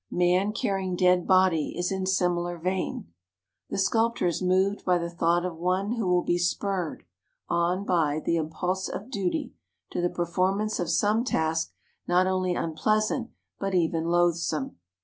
"Man Carrying Dead Body" is in similar vein. The sculptor is moved by the thought of one who will be spurred on by the impulse of duty to the performance of some task not only unpleasant but even loathsome.